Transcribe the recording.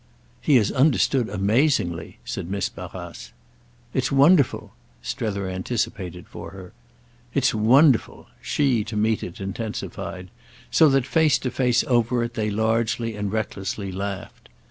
"He has understood amazingly," said Miss Barrace. "It's wonderful—Strether anticipated for her. "It's wonderful!" she, to meet it, intensified; so that, face to face over it, they largely and recklessly laughed.